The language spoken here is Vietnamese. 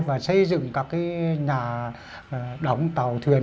và xây dựng các nhà đóng tàu thuyền